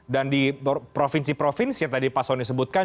dan di provinsi provinsi yang tadi pak soni sebutkan